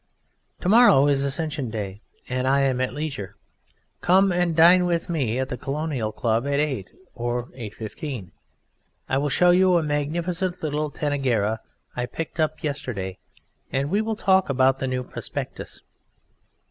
Tomorrow is Ascension Day, and I am at leisure. Come and dine with me at the Colonial Club at eight for eight fifteen. I will show you a magnificent littla tanagra I picked up yesterday, and we will talk about the new prospectus.